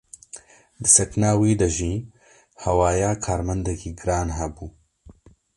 Di sekna wî de jî hewaya karmendekî giran hebû.